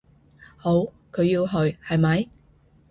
好，佢要去，係咪？